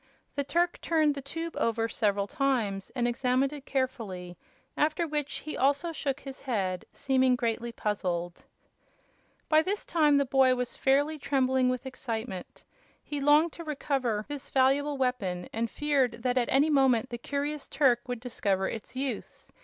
The Turk turned the tube over several times and examined it carefully, after which he also shook his head, seeming greatly puzzled. By this time the boy was fairly trembling with excitement. He longed to recover this valuable weapon, and feared that at any moment the curious Turk would discover its use.